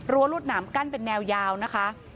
รวดหนามกั้นเป็นแนวยาวนะคะ